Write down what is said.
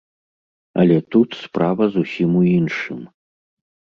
Але тут справа зусім у іншым.